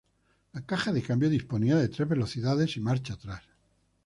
La caja de cambio disponía de tres velocidades y marcha atrás.